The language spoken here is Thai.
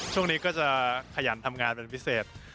ช่วงนี้ก็จะขยันทำงานเป็นพิเศษ